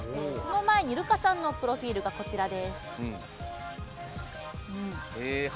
その前にルカさんのプロフィールがこちらです。